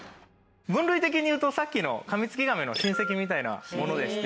分類的にいうとさっきのカミツキガメの親戚みたいなものでして。